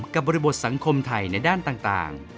บริบทสังคมไทยในด้านต่าง